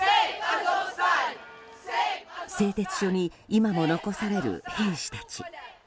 製鉄所に今も残される兵士たち。